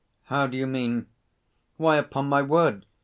"How do you mean?" "Why, upon my word!